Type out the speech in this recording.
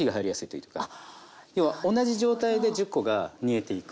要は同じ状態で１０コが煮えていく。